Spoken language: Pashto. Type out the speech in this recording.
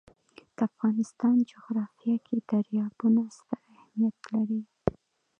د افغانستان جغرافیه کې دریابونه ستر اهمیت لري.